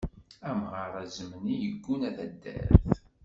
Amɣar azemni yegguna taddart.